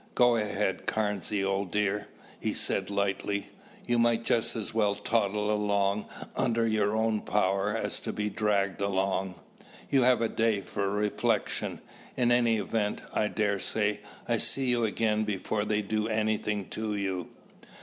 "Go ahead, Carnesy, old dear," he said lightly. "You might just as well toddle along under your own power as to be dragged along. You have a day for reflection, in any event. I daresay I'll see you again before they do anything to you."